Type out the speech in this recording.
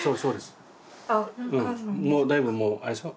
もうだいぶもうあれでしょ？